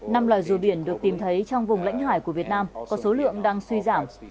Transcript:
năm loài rùa biển được tìm thấy trong vùng lãnh hải của việt nam có số lượng đang suy giảm